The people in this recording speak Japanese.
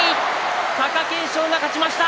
貴景勝が勝ちました。